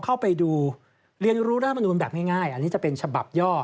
เข้าไปดูเรียนรู้รัฐมนูลแบบง่ายอันนี้จะเป็นฉบับย่อ